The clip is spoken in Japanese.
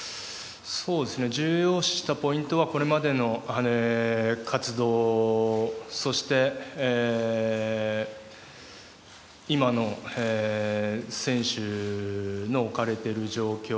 重要視したポイントはこれまでの活動、そして今の選手の置かれている状況